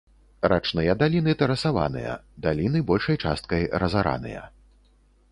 Рачныя даліны тэрасаваныя, даліны большай часткай разараныя.